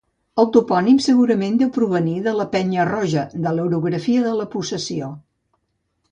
El topònim segurament deu provenir de la penya Roja de l'orografia de la possessió.